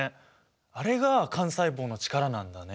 あれが幹細胞の力なんだね。